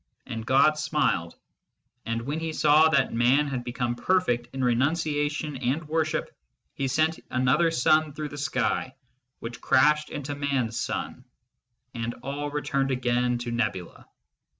And God smiled ; and when he saw that Man had become perfect in renuncia tion and worship, he sent another sun through the sky, which crashed into Man s sun ; and all returned again to nebula.